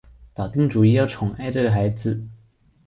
打定主意要宠爱着这个孩子